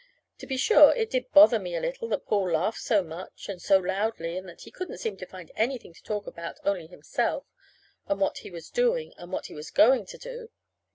To be sure, it did bother me a little that Paul laughed so much, and so loudly, and that he couldn't seem to find anything to talk about only himself, and what he was doing, and what he was going to do.